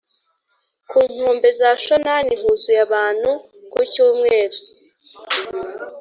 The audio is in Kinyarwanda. ku nkombe za shonan huzuye abantu ku cyumweru